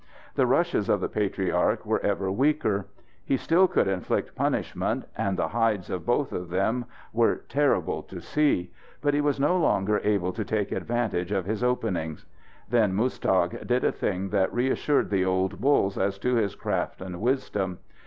The rushes of the patriarch were ever weaker. He still could inflict punishment, and the hides of both of them were terrible to see, but he was no longer able to take advantage of his openings. Then Muztagh did a thing that reassured the old bulls as to his craft and wisdom.